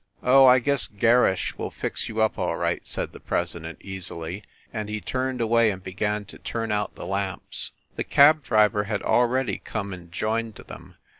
"Oh, I guess Gerrish will fix you up all right," said the president, easily, and he turned away and began to turn out the lamps. The cab driver had already come and joined them.